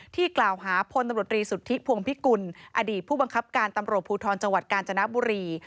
ที่กล่าวหาพตศฤภวงภิกุลอนปตภูทรศ์จังหวัดกาญจนบบุรี